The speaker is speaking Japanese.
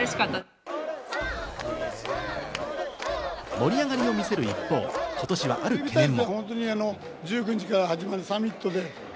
盛り上がりを見せる一方、今年はある懸念も。